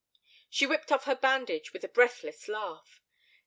She whipped off the bandage with a breathless laugh.